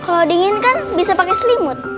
kalau dingin kan bisa pakai selimut